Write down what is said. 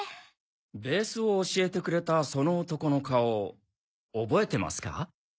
ベースを教えてくれたその男の顔覚えてますか？